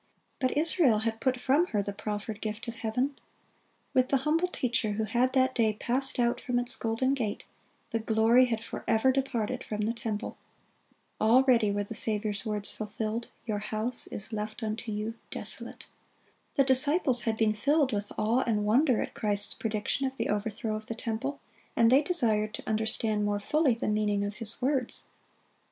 But Israel had put from her the proffered Gift of heaven. With the humble Teacher who had that day passed out from its golden gate, the glory had forever departed from the temple. Already were the Saviour's words fulfilled, "Your house is left unto you desolate."(28) The disciples had been filled with awe and wonder at Christ's prediction of the overthrow of the temple, and they desired to understand more fully the meaning of His words.